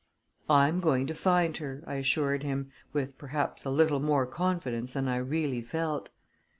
"I'm going to find her," I assured him, with perhaps a little more confidence than I really felt.